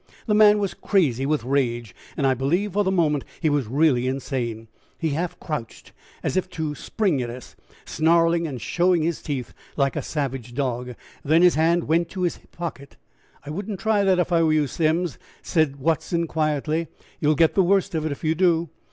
The man was crazy with rage, and I believe for the moment he was really insane. He half crouched as if to spring at us, snarling and showing his teeth like a savage dog, then his hand went to his hip pocket. "I wouldn't try that if I were you, Simms," said Watson quietly. "You will get the worst of it if you do."